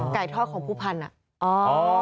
ทอดของผู้พันธุ์